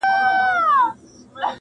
یاره وتله که چيري د خدای خپل سوې-